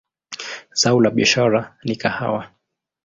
Zao la biashara ni kahawa.